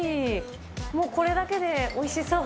もうこれだけでおいしそう。